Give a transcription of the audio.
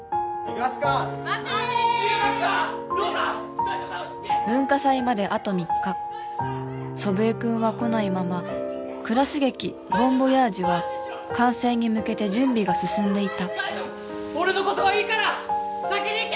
ローザ大丈夫だ落ち着け文化祭まであと３日祖父江君は来ないままクラス劇ボン・ヴォヤージュは完成に向けて準備が進んでいた俺のことはいいから先に行け！